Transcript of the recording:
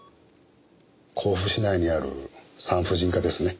甲府市内にある産婦人科ですね？